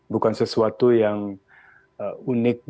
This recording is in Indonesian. bukan sesuatu yang unik